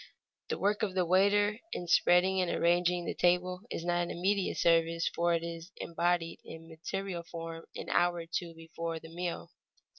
The work of the waiter in spreading and arranging the table is not an immediate service, for it is embodied in material form an hour or two before the meal.